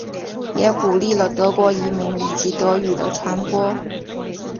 也鼓励了德国移民以及德语的传播。